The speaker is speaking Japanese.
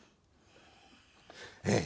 ええ。